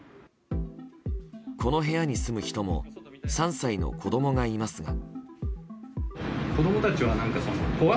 この部屋に住む人も３歳の子供がいますが。